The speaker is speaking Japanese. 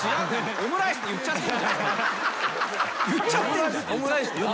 オムライスって言っちゃってる。